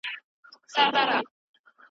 هغه پاڼه چې شنه وه اوس رنګ یې بدل دی.